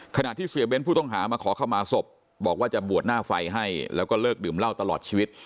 ขณะที่เสียเบ้นผู้ต้องหามาขอเข้ามาศพบอกว่าจะบวชหน้าไฟให้แล้วก็เลิกดื่มเหล้าตลอดชีวิต